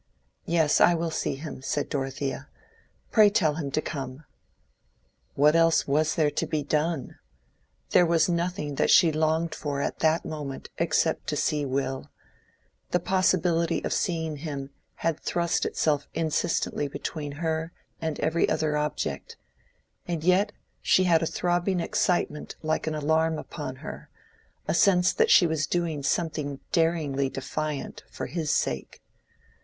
"Yes, I will see him," said Dorothea. "Pray tell him to come." What else was there to be done? There was nothing that she longed for at that moment except to see Will: the possibility of seeing him had thrust itself insistently between her and every other object; and yet she had a throbbing excitement like an alarm upon her—a sense that she was doing something daringly defiant for his sake.